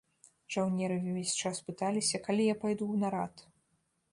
Жаўнеры ўвесь час пыталіся, калі я пайду ў нарад.